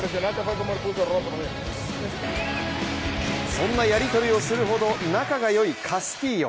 そんなやり取りをするほど仲が良いカスティーヨ。